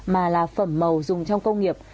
mà là phẩm màu dùng trong công nghiệp